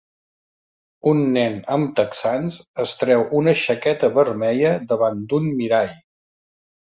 Un nen amb texans es treu una jaqueta vermella davant d'un mirall